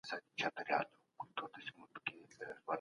هغه ويل چي ټولنيز علوم خاص قوانين لري.